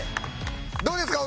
どうですか？